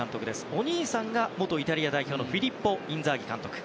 お兄さんが、元イタリア代表のフィリッポ・インザーギ監督。